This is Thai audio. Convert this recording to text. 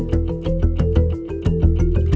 มุ้ไม่กลัวหรอกหรอก